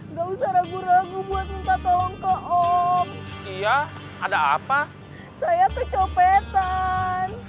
nggak usah ragu ragu buat minta tolong ke om iya ada apa saya kecopetan